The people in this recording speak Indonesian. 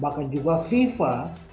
bahkan juga fifa